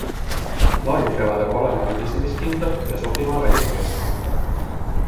Plaadid peavad aga olema libisemiskindlad ja sobima väliskeskkonda.